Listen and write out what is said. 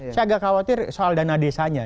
saya agak khawatir soal dana desanya